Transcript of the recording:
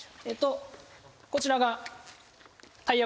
こちらが。